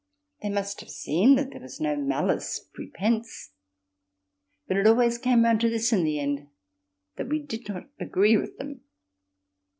They must have seen that there was no malice prepense, but it always came round to this in the end that we did not agree with them.